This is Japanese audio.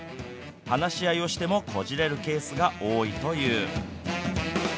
話し合いをしてもこじれるケースが多いという。